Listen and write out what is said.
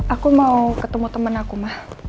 aku mau ketemu teman aku mah